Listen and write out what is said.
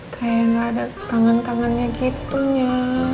kayak gak ada kangen kangannya gitunya